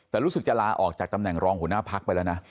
แต่รู้สึกจะลาออกจากตำแหน่งรองหัวหน้าพักไปแล้วนะ